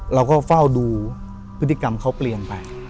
เราก็เฝ้าดูพฤติกรรมเขาเปลี่ยนไป